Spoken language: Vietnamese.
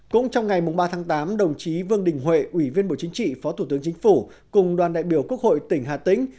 cũng trong ngày ba tháng tám đồng chí vương đình huệ ủy viên bộ chính trị phó thủ tướng chính phủ cùng đoàn đại biểu quốc hội tỉnh hà tĩnh